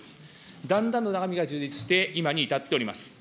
だんだんと中身が充実して、今に至っております。